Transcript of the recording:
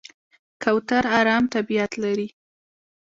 کوتره آرام طبیعت لري.